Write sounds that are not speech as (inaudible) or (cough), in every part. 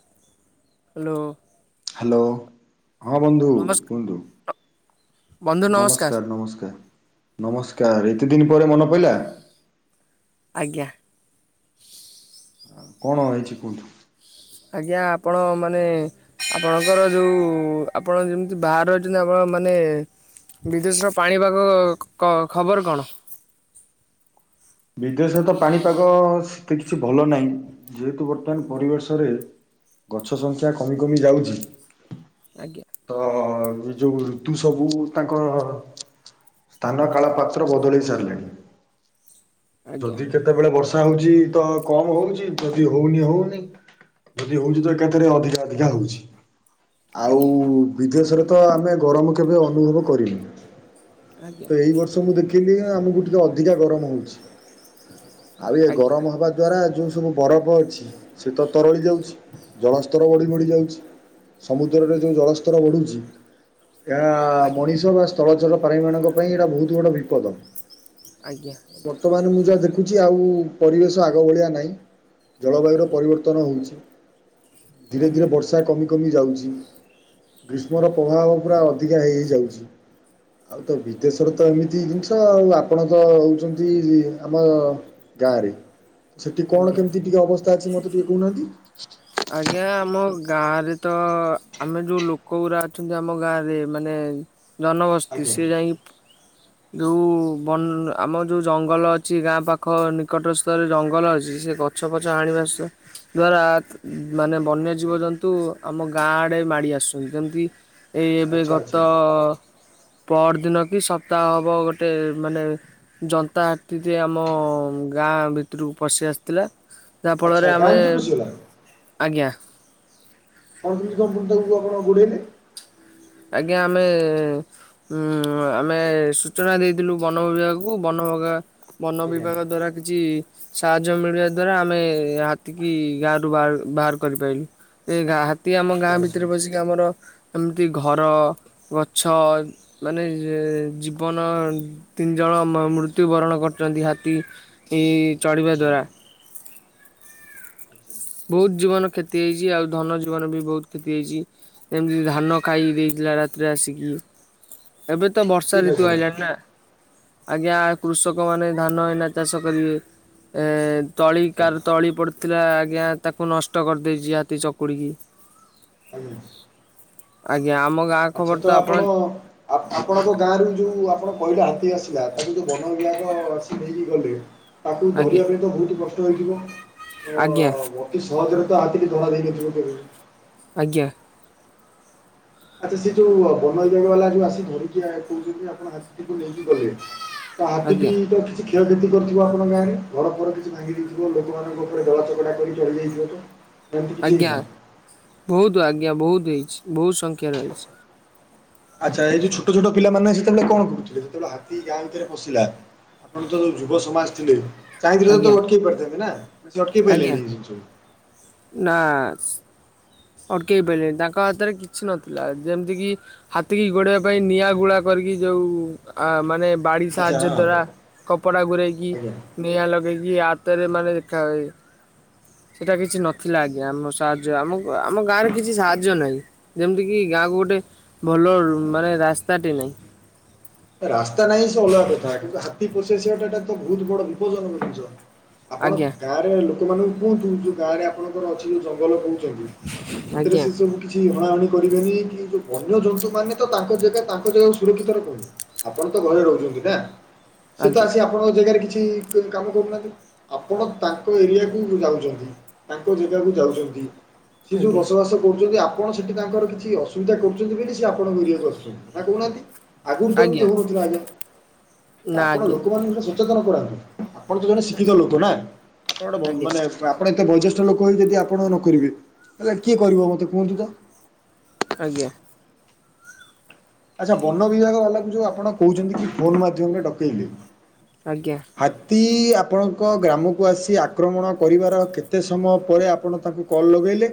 (inaudible) Hello. Hello ହଁ ବନ୍ଧୁ ନମସ୍କାର କୁହନ୍ତୁ। ନମସ୍କାର ନମସ୍କାର ନମସ୍କାର। ଏତେଦିନ୍‌ ପରେ ମନେ ପଡ଼ିଲା? ଆଜ୍ଞା। କଣ ହେଇଛି କୋଉଠୁ? ଆଜ୍ଞା ଆପଣ ମାନେ ଆପଣଙ୍କର ଯେଉ ଆପଣ ଯେମିତି ବାହରେ ଅଛନ୍ତି ଆପଣ ମାନେ ବିଦେଶର ପାଣିପାଗ କ ଖବର କଣ? (inaudible) ବିଦେଶ ତ ପାଣିପାଗ ସେତେ କିଛି ଭଲ ନାହିଁ। ଯେହେତୁ ଗୋଟେ ପରିବେଶରେ ଗଛ ସଂଖ୍ୟା କମି କମି ଯାଉଛି ଆଜ୍ଞା (inaudible) ତ ଏ ଯୋଉ ଋତୁ ସବୁ ତାଙ୍କ ସ୍ଥାନ କାଳ ପାତ୍ର ବଦଳେଇ ସାରିଲେଣି (inaudible) ଆଜ୍ଞା ଯଦି କେତେବେଳେ ବର୍ଷ ବର୍ଷା ହଉଛି ତ କମ ହଉଛି ଯଦି ହଉନି ହଉନି। ଯଦି ହଉଛି ତ ଏକାଥରେ ଅଧିକା ଅଧିକା ହଉଛି। ଆଉ ଆଜ୍ଞା ବିଦେଶରେ ତ ଆମେ ଗରମ କେବେ ଅନୁଭବ କରିନୁ। ଆଜ୍ଞା ତ ଏଇ ବର୍ଷ ମୁଁ ଦେଖିଲି ଇଏ ଆମକୁ ଟିକେ ଅଧିକା ଗରମ ହଉଛି। (inaudible) ଆଉ ଏ ଆଜ୍ଞା ଗରମ ହେବା ଦ୍ଵାରା ଯୋଉ ସବୁ ବରଫ ଅଛି ସେ ତ ତରଳି ଯାଉଛି ଜଳସ୍ତର ବଢି ବଢି ଯାଉଛି। ସମୁଦ୍ରରେ ଆଜ୍ଞା ଯୋଉ ଜଳସ୍ତର ବଢୁଛି ଏହା ଆଜ୍ଞା ମଣିଷ ବା ଜଳଚଳ ପାରୀ ମାନଙ୍କ ପାଇଁ ଏଇଟା ବହୁତ ଗୁଡ ବିପଦ। ଆଜ୍ଞା। ବର୍ତ୍ତମାନ ମୁଁ ଯାହା ଦେଖୁଛି ଆଉ ପରିବେଶ ଆଗ ଭଳିଆ ନାହିଁ। ଜଳବାୟୁର ଆଜ୍ଞା ପରିବର୍ତ୍ତନ ହେଉଛି। ଧୀରେ ଆଜ୍ଞା ଧୀରେ ବର୍ଷା କମି କମି ଯାଉଛି। ଗ୍ରୀଷ୍ମର ପ୍ରଭାବ ପୁରା ଅଧିକା ହେଇ ହେଇ ଯାଉଛି। ଆଉ ତ ବିଦେଶରେ ତ ଏମିତି ଜିନିଷ ଆଉ ଆପଣ ତ ହଉଛନ୍ତି ତି ଆମ ଗାଁ ରେ ସେଠି କଣ କେମିତି ଆଜ୍ଞା ଟିକେ ଅବସ୍ ସ୍ତା ଅଛି ମୋତେ ଟିକେ କହୁନାହାନ୍ତି? ଆଜ୍ଞା ଆମ ଗାଁ ରେ ତ ଆମେ ଯୋଉ ଲୋକ ଗୁରା ଅଛନ୍ତି ଆମ ଗାଁ ରେ ମାନେ ଜନ ମସ୍ତି ଆଜ୍ଞା ସେ ଯାଇକି ଯୋଉ ବନ ଆମ ଯୋଉ ଜଙ୍ଗଲ ଅଛି ଗାଁ ପାଖ ନିକଟ ସ୍ଥରେ ଜଙ୍ଗଲ ଅଛି ସେ ଗଛ ପଛ ଆଣିବା ସ୍ୱା ଦ୍ଵାରା ମାନେ ବନ୍ୟ ଆଜ୍ଞା ଜୀବଜନ୍ତୁ ଆମ ଗାଁ ଆଡେ ମାଡ଼ି ଆସୁଛନ୍ତି ଯେମିତି ଏଇ ଏବେ ଆଚ୍ଛା ଆଚ୍ଛା ଗତ ପର ଦିନ କି ସପ୍ତାହ ହବ ଗୋଟେ ମାନେ ଯନ୍ତା ହାତୀ ଟେ ଆମ ଗାଁ ଗା ଭିତରକୁ ପଶି ଆସିଥିଲା ଯାହା ଆଚ୍ଛା ଫଳରେ ଗାଁ ଆମେ ଭିତରକୁ ପଶିଗଲା ଆଜ୍ଞା। (unintelligible) ଗୁଡେଇଲେ ଆଜ୍ଞା ଆମେ ଉଁ ଆମେ ସୂଚନା ଦେଇଥିଲୁ ବନ ବିଭାଗକୁ ବନ (unintelligible) ବନ ଆଜ୍ଞା ବିଭାଗ ଦ୍ଵାରା କିଛି ସାହାଯ୍ୟ ମିଳିବା ଦ୍ଵାରା ଆମେ ହାତୀ କିି ଗାଁରୁ ବା ବାହାର କରିପାରଲୁ ଏ ହାତୀ ଆମ ଗାଁ ଆଚ୍ଛା ଆଚ୍ଛା ଭିତରେ ବସିକି ଆମର ଯୋଉ ଘର, ଗଛ, ମାନେ ଜୀବନ ତିନି ଜଣ ମୃତ୍ୟୁବରଣ କରୁଛନ୍ତି ହାତୀ ଚଢ଼ିବା ଆଚ୍ଛା ଦ୍ୱାରା ଆଚ୍ଛା ବହୁତ ଜୀବନ କ୍ଷତି ହେଇଚି ଆଉ ଧନ ଜୀବନ ବି ବହୁତ କ୍ଷତି ହେଇଚି ଯେମିତି ଧାନ ଖାଇ ଦେଇ ରାତିରେ ଆସିକି ଏବେ ତ ବର୍ଷା ଠିକ୍ ଋତୁ ଅଛି ଆଇଲାଣିି ନା? ଆଜ୍ଞା କୃଷକ ମାନେ ଧାନ ଏଇନା ଚାଷ କରିବେ । ଏ ତଳି ଆଜ୍ଞା କାର ତଳି ପଡୁଥିଲା ଆଜ୍ଞା ତାକୁ ନଷ୍ଟ କରିଦେଇଚି ହାତୀ ଚକୁଡିକି ଆଜ୍ଞା ଆଜ୍ଞା ଆମ ଆଚ୍ଛା ତ ଆପଣ ଆପଣଙ୍କ ଗାଁ ରୁ ଯୋଉ ଆପଣ ପହିଲା ହାତୀ ଆସିଲା ତାକୁ ଯୋଉ ବନ ବିଭାଗ ଆସିକି ନେଇକି ଗଲେ ତାକୁ ଆଜ୍ଞା ଧରିବା ପାଇଁ ତ ବହୁତ କ ଷ୍ଟ ହେଇଥିବ ଆଜ୍ଞା ଅ ଅତି ସହଜରେ ତ ହାତୀକି ଧରା ଦେଇନଥିବ କେବେ? ଆଜ୍ଞା । ଆଚ୍ଛା ସେ ଯୋଉ ବନବିଭାଗ ବାଲା ଯୋଉ ଆସି ଧରିକିଆ କହୁଛନ୍ତି ଆପଣ ହାତିକୁ ନେଇକି ଗଲେ। ହାତୀ ଆଜ୍ଞା ଟି ତ କିଛି କ୍ଷଅ କ୍ଷତି କରିଥିବ ଆପଣ ଗାଁରେ ଘରଫର କିଛି ଭାଙ୍ଗି ଦେଇଥିବ ଲୋକମାନଙ୍କ ଉପରେ ଦଳାଚକଟା କରି ଚଳି ଯାଇଥିବ ତ। ସେମିତି କିଛି ହେଇନି? ତୁ ଆଜ୍ଞା ବୋହୁତ ହେଇଚି ବୋହୁ ସଂଖ୍ୟା ରେ ହେଇଚି। ଆଚ୍ଛା ଏଇ ଯୋଉ ଛୋଟ ଛୋଟ ପିଲାମାନେ ସେତେବେଳେ କଣ କରୁଥୁଲେ ଯେତେବେଳେ ହାତୀ ଗାଁ ଭିତରେ ପଶିଲା? ଆପଣ ତ ଯୁବ ସମାଜ ଥିଲେ ଚାହିଁଥିଲେ ତ ଆଜ୍ଞା ଅଟକେଇ ପାରିଥାନ୍ତେ ନା? ସିଏ ଅଟକେଇ ଆଜ୍ଞା ପାଇଲେନି ଏଇ ଜିନିଷ କୁ। ନା ଅଟକେଇ ପାରିଲଣିି ତାଙ୍କ ହାତରେ କିଛି ନଥିଲା ଯେମିତି କିି ହାତୀ କି ଗୋଡେଇବା ପାଇଁ ନିଆଁ ଗୁଳା କଲେ (unintelligible) ଯୋଉ ଆ ମାନେ ବାଡ଼ି ଆଚ୍ଛା ହଁ ସାହାଯ୍ୟ ଦ୍ଵାରା କପଡ଼ା ଗୁରେଇକି ଆଜ୍ଞା ନିଆଁ ଲଗେଇକି ଆ ଭିତରେ ମାନେ ଦେଖା ହୁଏ ସେଇଟା କିଛି ନଥିଲା ଆଜ୍ଞା ଆମ ସାହାଯ୍ୟ ଆମକୁ ଆମ ଗାଁରେ କିଛି ସାହାଯ୍ୟ ନାଇଁ ଯେମିତି କିି ଗାଁକୁ ଗୋଟେ ଭଲ ମାନେ ରାସ୍ତାଟେ ନାଇଁ। ହ । ରାସ୍ତା ନାହିଁ ସେ ଅଲଗା କଥା କିନ୍ତୁ ହାତୀ ପଶିଆସିବା ଟା ତ ବହୁତ ବଡ ବିପଦ ଜନକ ଜିନିଷ । ଆପଣ ଆଜ୍ଞା ଗାଁରେ ଲୋକମାନଙ୍କୁ କୁହନ୍ତୁ ଯୋଉ ଗାଁ ରେ ଆପଣଙ୍କର ଅଛି ଯୋଉ ଜଙ୍ଗଲ କୋଉ ସେଥିରେ ଆଜ୍ଞା ସେ ସବୁ କିଛି ହଣାହଣି କରିବେନି କି ଯୋଉ ବନ୍ୟଜନ୍ତୁ ମାନେ ତ ତାଙ୍କ ଜାଗା ତାଙ୍କ ଜାଗା ସୁରକ୍ଷିତ ରଖନ୍ତୁ। ଆପଣ ତ ଘରେ ରହୁଚନ୍ତି ନା ସେ ତ ଆଜ୍ଞା ଆସି ଆପଣଙ୍କ ଜେଗାରେ କିଛି କି କ-କାମ କରୁନାନ୍ତି ।ଆପଣ ତାଙ୍କ ଏରିଆକୁ ଯାଉଚନ୍ତି ତାଙ୍କ ଜେଗାକୁ ଯାଉଚନ୍ତି। ସେ ଯୋଉ ଆଜ୍ଞା ବସବାସ କରୁଛନ୍ତି ଆପଣ ସେଠି ତାଙ୍କର କିଛି ଅସୁବିଧା କରୁଚନ୍ତି ବୋଲି ସିଏ ଆପଣଙ୍କ ଏରିଆକୁ ଆସୁଚନ୍ତି ନା କହୁନାହାନ୍ତି ଆଗରୁ ତ ଆଜ୍ଞା ହଉନଥିଲା ଆଜ୍ଞା ନା ଆପଣ ଆଜ୍ଞା ଲୋକମାନଙ୍କୁ ସଚେତନ କରାନ୍ତୁ । ଆପଣ ଯୋଉ ମାନେ ଶିକ୍ଷିତ ଲୋକ ନା ଆପଣ ଗୋଟେ ଭୋ ଆଜ୍ଞା ମାନେ ବା ଆପଣ ଏତେ ବୟଜ୍ୟେଷ୍ଠ ଲୋକ ହେଇ ଯଦି ଆପଣ ନ କରିବେ ତାହେଲେ କିଏ କରିବ ମୋତେ କୁହନ୍ତୁ ତ? ଆଜ୍ଞା । ଆଚ୍ଛା ବନ ବିଭାଗ ବାଲାକୁ ଯୋଉ ଆପଣ କଉଚନ୍ତି କି ଫୋନ ମାଧ୍ୟମରେ ଡକେଇଲେ । ଆଜ୍ଞା । ଦି ଆପଣଙ୍କ ଗ୍ରାମକୁ ଆସି ଆକ୍ରମଣ କରିବାର କେତେ ସମୟ ପରେ ଆପଣ ତାଙ୍କୁ କଲ୍ ଲଗେ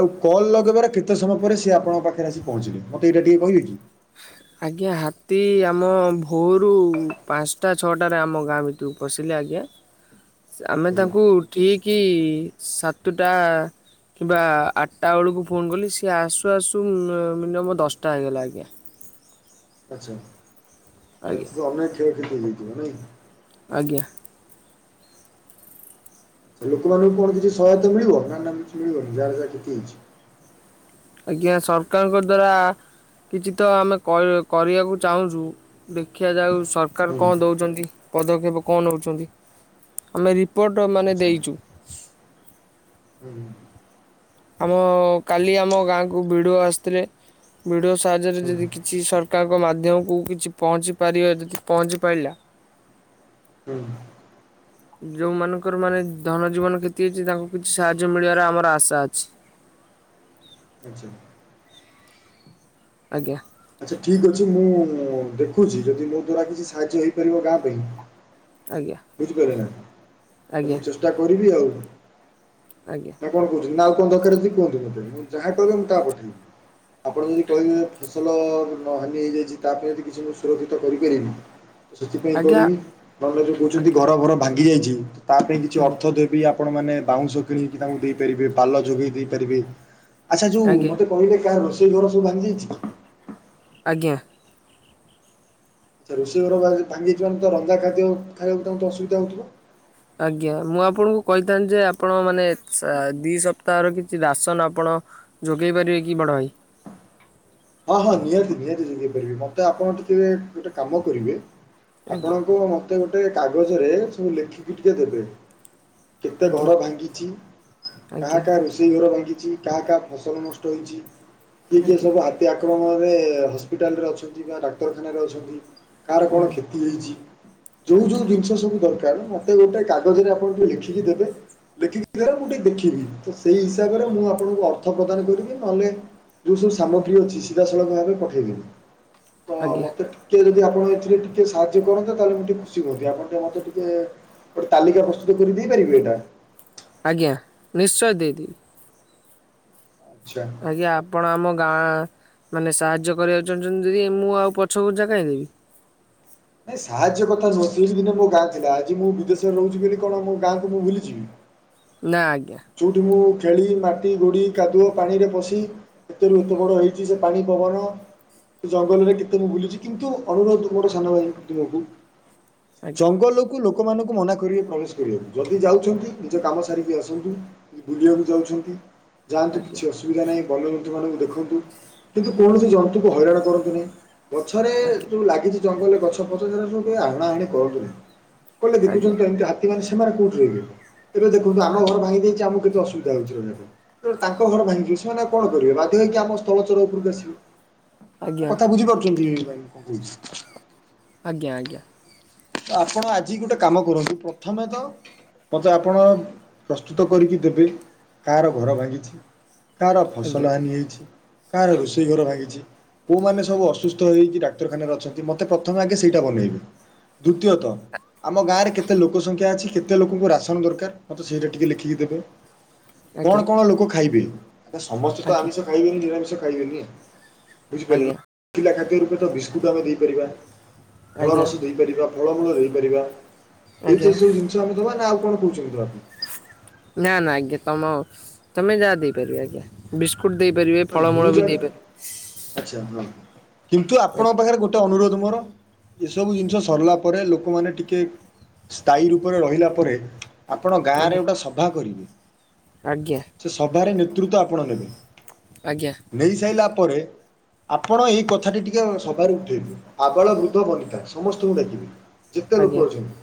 ଆଉ କଲ୍ ଲଗେଇବାରେ କେତେ ସମୟ ପରେ ସିଏ ଆପଣଙ୍କ ପାଖରେ ଆସି ପହଞ୍ଚିଲେ ମତେ ଏଇଟା ଟିକେ କହିବେ କି? ଆଜ୍ଞା ହାତୀ ଆମ ଭୋରୁ ପାଞ୍ଚଟା ଛଅଟା ଆମ ଗାଁ ଭିତକୁ ପଶିଲେ ଆଜ୍ଞା। ହଁ । ଆମେ ତାଙ୍କୁ ଠିକ ସାତୁଟା କିମ୍ବା ଆଟା ବେଳକୁ ଫୋନ୍ କଲି ସିଏ ଆସୁ ଆସୁ ମିନିୟମ୍ ଦଶଟା ହେଇଗଲା ଆଜ୍ଞା । ଆଛା ଏ ଆଜ୍ଞା ତ ଅନେକ୍ କ୍ଷୟ କ୍ଷତି ହେଇଯାଇଥିବ ନାଇଁ କି? ଆଜ୍ଞା। ଲୋକମାନଙ୍କୁ କଣ କିଛି ସହାୟତା ମିଳିବ ନା ନା କିଛି ମିଳିବନି ଯାହାର ଯାହା କ୍ଷତି ହେଇଛି। ଆଜ୍ଞା ସରକାରଙ୍କ ଦ୍ଵାରା କିଛି ତ ଆମେ କରି କରିବାକୁ ଚାହୁଁଛୁ। ଦେଖିଯାଉ ସରକାର ହୁଁ। କଣ ଦେଉଛନ୍ତି ପଦକ୍ଷେପ କଣ ନେଉଛନ୍ତି ଆମେ ରିପୋର୍ଟ ମାନେ ଆଚ୍ଛା ଦେଇଛୁ । ହୁଁ। ଆମ କାଲି ଆମ ଗାଁକୁ ବିଡିଓ ଆସିଥିଲେ ବିଡି ବିଡିଓ ସାହାଯ୍ୟରେ ହୁଁ ଯଦି କିଛି ସରକାର ମାଧ୍ୟମକୁ କିଛି ପହଞ୍ଚି ପାରିବେ ଯଦି ପହଞ୍ଚି ପାରିଲା। ହୁଁ। ଯୋଉମାନଙ୍କର ମାନେ ଧନ ଜୀବନ କ୍ଷତି ହେଇଛି ତାଙ୍କୁ କିଛି ସାହାଯ୍ୟ ମିଳିବାର ଆମର ଆଶା ଅଛି। ଅଛି। ଆଚ୍ଛା। ଆଜ୍ଞା। ଆଚ୍ଛା ଠିକ୍ ଅଛି ମୁଁ ଦେଖୁଛି ଯଦି ମୋ ଦ୍ଵାରା କିଛି ସାହାଯ୍ୟ ହେଇପାରିବ ଗାଁ ପାଇଁ ଆଜ୍ଞା ବୁଝିପାରିଲ ନା ତ ଆଜ୍ଞା ମୁଁ ଚେଷ୍ଟା କରିବି ଆଉ। ଆଜ୍ଞା। ନା କଣ ନା ଆଉ କଣ ଦରକାର ଅଛି କୁହନ୍ତୁ ମୋତେ ମୁଁ ଯାହା କହିବେ ମୁଁ ତା ପଠେଇବି ଆପଣ ଯଦି କହିବେ ଫସଲ ନ ହାନି ହେଇଯାଇଛି ତା ପାଇଁ କିଛି ମୁଁ ସୁରକ୍ଷିତ କରିପାରିବି। ସେଥିପାଇଁ ଆଜ୍ଞା କରିବି ନହେଲେ ଯୋଉ କହୁଛନ୍ତି ଆଜ୍ଞା ଘର ଫର ଭାଙ୍ଗି ଯାଇଛି ତା ପାଇଁ କିଛି ଆଜ୍ଞା ଅର୍ଥ ଦେବି ଆ ଆପଣମାନେ ବାଉଁଶ କିଣିକି ତାଙ୍କୁ ଦେଇପାରିବେ ପାଲ ଯୋଗେଇ ଦେଇପାରିବେ। ଆଚ୍ଛା ଯୋଉ ଆଜ୍ଞା ମତେ କହିଲେ କାହା ରୋଷେଇ ଘର ସବୁ ଭାଙ୍ଗି ଯାଇଛି କି? ଆଜ୍ଞା। ତା ରୋଷେଇ ଘର ଭା ଭାଙ୍ଗିଯାଇଥିବ ତ ରନ୍ଧା ଖାଦ୍ୟ ଖାଇବାକୁ ତାଙ୍କୁ ତ ଅସୁବିଧା ହଉଥିବ। ଆଜ୍ଞା ମୁଁ ଆପଣଙ୍କୁ କହିଥାନ୍ତି ଯେ ଆପଣ ମାନେ ସାର ଦି ସପ୍ତାହର କିଛି ରାସନ ଆପଣ ଅ ଯୋଗେଇ ପାରିବେ କି ବଡ଼ ଭାଇ। ହଁ ହଁ ନିହାତି ନିହାତି ଯୋଗେଇ ପାରିବି ମତେ ଆପଣ ଟିକେ ଗୋଟେ କାମ କରିବେ। ଆଜ୍ଞା ଆପଣଙ୍କୁ ମୋତେ ଗୋଟେ କାଗଜରେ ସବୁ ଲେଖିକି ଟିକେ ଦେବେ। କେତେ ଘର ଆଜ୍ଞା ଭାଙ୍ଗିଛି କାହା ଆଜ୍ଞା କାହା ରୋଷେଇ ଘର ଭାଙ୍ଗିଛି? କାହା କାହା ଫସଲ ନଷ୍ଟ ହେଇଛି କିଏ କିଏ ଆଜ୍ଞା ସବୁ ହାତ ଆକ୍ରମଣରେ ହସ୍ପିଟାଲରେ ଅଛନ୍ତି ବା ଡାକ୍ତରଖାନାରେ ଅଛନ୍ତି? କାହାର କଣ ଆଜ୍ଞା କ୍ଷତି ହେଇଛି ଯୋଉ ଯୋଉ ଆଜ୍ଞା। ଜିନିଷ ସବୁ ଦରକାର କାର କାଲି ମତେ ଗୋଟେ କାଗଜରେ ଆପଣଠୁ ଲେଖିକି ଦେବେ। ଲେଖିକି ଦେଲେ ମୁଁ ଟିକେ ଦେଖିବି ତ ସେଇ ହିସାବରେ ମୁଁ ଆପଣଙ୍କୁ ଅର୍ଥ ପ୍ରଦାନ କରିବି ନହେଲେ। ଯୋଉ ସବୁ ସାମଗ୍ରୀ ଅଛି ସିଧାସଳଖ ଭାବେ ପଠେଇଦିଅନ୍ତୁ ତ ଆଜ୍ଞା ମତେ ଟିକେ ଯଦି ଆ ଆପଣ ଏଥିରେ ଟିକେ ସାହାଯ୍ୟ କରନ୍ତେ ତାହେଲେ ମୁଁ ଟିକେ ଖୁସି ହୁଅନ୍ତି ଆପଣ ଟିକେ ମତେ ଟିକେ ଗୋଟେ ତାଲିକା ପ୍ରସ୍ତୁତ କରିଦେଇ ପାରିବେ ଏଇଟା। ଆଜ୍ଞା ନିଶ୍ଚୟ ଦେଇଦେବି। ଆଚ୍ଛା ଆଜ୍ଞା ଆପଣ ଆମ ଗାଁ ମାନେ ସାହାଯ୍ୟ କରିବାକୁ ଚାହୁଁଛନ୍ତି ଯଦି ମୁଁ ଆଉ ପଛ ଘୁଞ୍ଚା କାଇଦେବି। ଏ ସାହାଯ୍ୟ କଥା ନୁହଁ ସେବି ଦିନେ ମୋ ଗାଁ ଥିଲା ଆଜି ମୁଁ ବିଦେଶରେ ରହୁଛି ବୋଲି କଣ ମୋ ଗାଁକୁ ମୁଁ ଭୁଲିଯିବି। ନାଁ ଆଜ୍ଞା। ଚଉଠି ମୁଁ ଛେଳି ମାଟି ଗୋଡ଼ି କାଦୁଅ ପାଣିରେ ପଶି ଏଥିରୁ ଏତେ ବଡ଼ ହୋଇଇଛି ସେ ପାଣି ପବନ ସେ ଜଙ୍ଗଲରେ କେତେ ମୁଁ ବୁଲିଛି କିନ୍ତୁ ଅନୁରୋଧ ମୋର ସାନ ଭାଇ ତୁମକୁ। ଆଜ୍ଞା ଜଙ୍ଗଲକୁ ଲୋକମାନଙ୍କୁ ମନା କରିବେ ପ୍ରବେଶ କରିବାକୁ ଯଦି ଯାଉଛନ୍ତି ନିଜ କାମ ସାରିକି ଆସନ୍ତୁ। ଯଦି ବୁଲିବାକୁ ଯାଉଛନ୍ତି ଯାଆନ୍ତୁ କିଛି ଆଜ୍ଞା ଅସୁବିଧା ନାହିଁ। ବନ୍ୟଜନ୍ତୁ ମାନଙ୍କୁ ଦେଖନ୍ତୁ କିନ୍ତୁ କୌଣସି ଜନ୍ତୁଙ୍କୁ ହଇରାଣ କରନ୍ତୁ ନାହିଁ। ଗଛରେ ଆଜ୍ଞା ଯୋଉ ଲାଗିଛି ଜଙ୍ଗଲରେ ଗଛ ପଛ ରେ ସବୁ କେ ଆଣା ଆଣି କରୁନ୍ତୁନି। କହିଲେ ଆଜ୍ଞା ଦେଖୁଛନ୍ତି ତ ଏମିତି ହାତୀ ମାନେ ସେମାନେ କୋଉଠି ରହିିବେ ଏବେ ଦେଖନ୍ତୁ ଆମ ଘର ଭାଙ୍ଗିଯାଇଛି। ଆମକୁ କେତ ଅସୁବିଧା ହଉଛି ତ ତାଙ୍କ ଘରେ ଭାଙ୍ଗିବି, ସେମାନେ କଣ କରିବେ ବାଧ୍ୟ ହେ ହୋଇକି ଆମ ସ୍ଥଳ ଚର ଉପରକୁ ଆସିବେ। (inaudible) ଆଜ୍ଞା କଥା ବୁଝିପାରୁଛନ୍ତି କି ନାହିଁ କଣ। ଆଜ୍ଞା, ଆଜ୍ଞା। ତ ଆପଣ, ଆଜି ଗୋଟେ କାମ କରନ୍ତୁ ପ୍ରଥମେ ତ ମତେ ଆପଣ ପ୍ରସ୍ତୁତ କରିକି ଦେବେ କାହାର ଘର ଭାଙ୍ଗିଛି। କାହାର ଫସଲ ଆଜ୍ଞା ହାନି ହୋଇଇଛି କାହାର ରୋଷେଇ ଘର ଭାଙ୍ଗିଛି। କଉମାନେ ସବୁ ଅସୁସ୍ଥ ହେଇକି ଡାକ୍ତରଖାନାରେ ଅଛନ୍ତି ମତେ ପ୍ରଥମେ ଆଗେ ସେଇଟା ବନେଇବେ। ଦୃିତୀୟତ। ଆମ ଗାଁରେ କେତେ ଲୋକ ସଂଖ୍ୟା ଅଛି କେତେ ଲୋକଙ୍କୁ ରାସନ ଦରକାର ମତେ ସେଇଟା ଟିକେ ଲେଖିକି ଦେବେ। କଣ ଆଜ୍ଞା କଣ ଲୋକ ଖାଇବେ ଆ ସମସ୍ତେ ତ ଆମିଷ ଖାଇବେନି, ନିରାମିଷ ଖାଇବେନି। ବୁଝି ପାରିଲ ନା ଆଜ୍ଞା ସୁଖିଲା ଖାଦ୍ୟ ରୂପେ ତ ବିସ୍କୁଟ ଆମେ ଦେଇପାରିବା ଫଳ ଆଜ୍ଞା ରସ ଦେଇପାରିବା। ଫଳ ଫଳ ରହିପାରିବା ଏଇଥି ଆଜ୍ଞା ସବୁ ଜିନିଷ ଆମେ ଦବା, ନା ଆଉ କଣ କହୁଛନ୍ତି। ନା ନା ଆଜ୍ଞା, ତମ ତମେ ଯାହା ଦେଇପାରିବ ଆଜ୍ଞା। ବିସ୍କୁଟ୍ ଦେଇପାରିବେ, ନା ମୁଁ ଫଳମୂଳ ଯା ବି ଦେଇପାରିବେ। ଆଚ୍ଛା ହଁ। କିନ୍ତୁ ଆଜ୍ଞା ଆପଣଙ୍କ ପାଖରେ ଗୋଟେ ଅନୁରୋଧ ମୋର ଏସବୁ ଜିନିଷ ସରିଲା ପରେ, ଲୋକମାନେ ଟିକେ ସ୍ଥାୟୀ ରୂପରେ ରହିଲା ପରେ ଆପଣ ଗାଁରେ ଆଜ୍ଞା ଗୋଟେ ସଭା କରିବେ ଆଜ୍ଞା ସେ ସଭାରେ ନେତୃତ୍ୱ ଆପଣ ନେବେ। ଆଜ୍ଞା ନେଇ ସାରିଲା ପରେ ଆପଣ ଏଇ କଥାଟି ଟିକେ ସଭାରେ ଉଠେଇବେ ଆବାଳ ବୃଦ୍ଧ ବନିତା ସମସ୍ତଙ୍କୁ ଡାକିବେ। ଯେତେ ଆଜ୍ଞା ଲୋକ ଆଜ୍ଞା ଅଛନ୍ତି,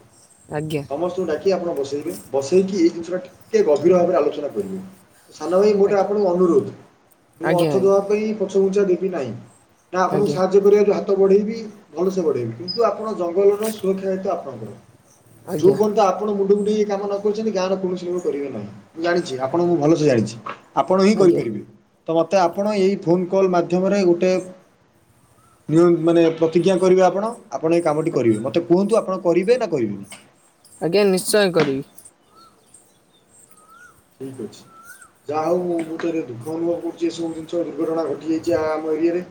ଆଜ୍ଞା ସମସ୍ତଙ୍କୁ ଡାକି ଆପଣ ବସେଇବେ। ବସେଇକି ଏଇ ଜିନିଷଟା ଟିକେ ଗଭୀର ଭାବରେ ଆଲୋଚନା କରିବୁ ସାନ ଭାଇ ଗୋଟେ ଆପଣଙ୍କୁ ଅନୁରୋଧ। ମୁଁ ଆଜ୍ଞା ଅର୍ଥ ଆଜ୍ଞା ଦବା ପାଇଁ ପଛଘୁଞ୍ଚା ଦେବି ନାହିଁ ନା, ଆପଣଙ୍କୁ ଆଜ୍ଞା ସାହାଯ୍ୟ କରିବ ଦ୍ୱରା। ବଢ଼େଇବି, ଭଲସ ବଢ଼େଇବି କିନ୍ତୁ ଆପଣ ଜଙ୍ଗଲର ସୁରକ୍ଷା ହେତ ଆପଣଙ୍କର। ଯୋଉ ଆଜ୍ଞା ପର୍ଯ୍ୟନ୍ତ ଆପଣ ମୁଣ୍ଡ ନେଇ ଏ କାମ ନ କରିଛନ୍ତି ଗାଁର କୌଣସି କରିବେ ନାହିଁ। ଜାଣିଛି, ଆପଣ ମୁଁ ଭଲସେ ଜାଣିଛି ଆପଣ ହିଁ ଆଜ୍ଞା କରିପାରିବେ ତ ମୋତେ ଆପଣ ଏଇ ଫୋନ୍ କଲ୍ ମାଧ୍ୟମରେ ଗୋଟେ, ମାନେ ପ୍ରତିଜ୍ଞା କରିବେ ଆପଣ। ଆପଣ ଏ କାମଟି କରିବେ ମତେ କୁହନ୍ତୁ ଆପଣ କରିବେ ନା କରିବେନି। ଆଜ୍ଞା ନିଶ୍ଚୟ କରିବି। ଠିକ ଅଛି। ଯାହା ହଉ, ମୁଁ ମୁଁତରେ ଦୁଃଖ ଅନୁଭବ କରୁଛି ଏ ସବୁ ଜିନିଷ ଦୁର୍ଘଟଣା ଘଟି ଯାଇଛି ଆମ ଏରିଆରେ।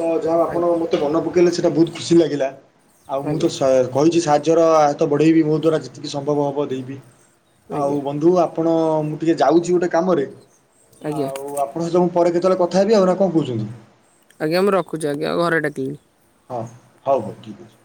ତ ଯାହା ଆପଣ ଆଜ୍ଞା ମତେ ମନ ପକେଇଲେ ସେଟା ବହୁତ ଖୁସି ଲାଗିଲା ଆଉ ମୁଁ ଆଜ୍ଞା ତ କହିଛି ସା ବଢେଇବି ମୋ ଦ୍ୱାରା ଯେତିକି ସମ୍ଭବ ହବ ଦେଇବି ଆଜ୍ଞା ଆଉ ବନ୍ଧୁ ଆ ଅଁ-ଅଁ-ଅଁ ମୁଁ ଟିକେ ଯାଉଛି ଗୋଟେ କାମରେ ଆଜ୍ଞା ଆଉ ଆପଣଙ୍କ ସହ ମୁଁ ପରେ କେତେବେଳେ କଥା ହେବି, ଆଉ ନା କଣ କହୁଛନ୍ତି? ଆଜ୍ଞା ମୁଁ ରଖୁଛି ଆଜ୍ଞା ଘରେ ଡାକିଲେଣି। ହଁ, ହଉ ହଉ ଠିକ୍ ଅଛି।